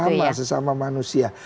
sama sesama manusia